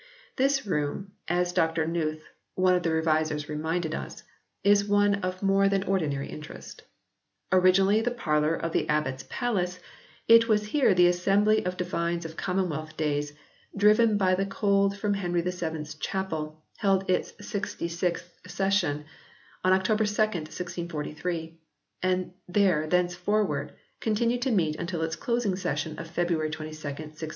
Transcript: This room, as Dr Newth one of the revisers reminded us, is one of more than ordinary interest. Originally the parlour of the Abbot s palace, it was here the Assembly of Divines of Commonwealth days, driven by the cold from Henry VII s Chapel, held its 66th session, on October 2nd, 1643, and there thenceforward con tinued to meet until its closing session on February 22nd, 1649.